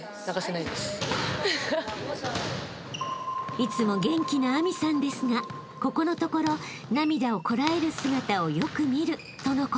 ［いつも元気な明未さんですがここのところ涙をこらえる姿をよく見るとのこと］